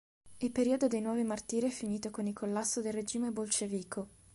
Il periodo dei "nuovi martiri" è finito con il collasso del regime bolscevico.